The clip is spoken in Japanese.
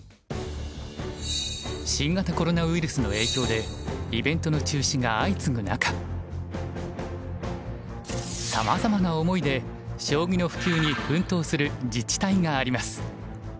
新型コロナウイルスの影響でイベントの中止が相次ぐ中さまざまな思いで将棋の普及に奮闘する自治体があります。